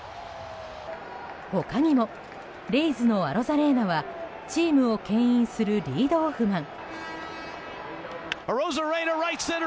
他にもレイズのアロザレーナはチームを牽引するリードオフマン。